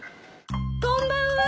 こんばんは。